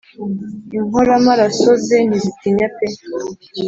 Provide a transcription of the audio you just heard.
inkoramaraso ze ntizitinya pe